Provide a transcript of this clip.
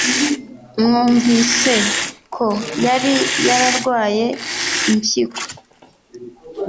mwumvise ko yari yararwaye imphiko